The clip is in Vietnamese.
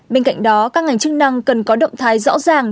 bên cạnh đó các ngành chức năng cần có động thái rõ ràng